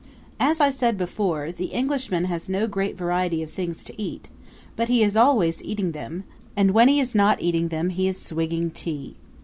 As I said before, the Englishman has no great variety of things to eat, but he is always eating them; and when he is not eating them he is swigging tea.